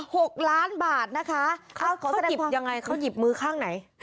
หกล้านบาทนะคะเขาเขาหยิบยังไงเขาหยิบมือข้างไหน